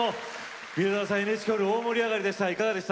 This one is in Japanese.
宮沢さん、ＮＨＫホール大盛り上がりでした。